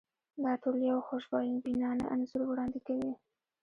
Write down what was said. دا ټول یو خوشبینانه انځور وړاندې کوي.